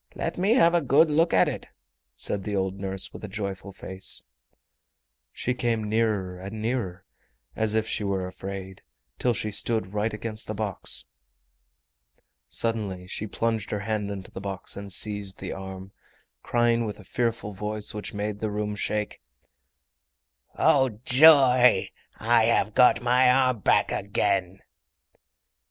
Let me have a good look at it," said the old nurse, with a joyful face. She came nearer and nearer, as if she were afraid, till she stood right against the box. Suddenly she plunged her hand into the box and seized the arm, crying with a fearful voice which made the room shake: "Oh, joy! I have got my arm back again!"